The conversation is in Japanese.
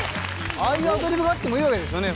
ああいうアドリブがあってもいいわけですよね？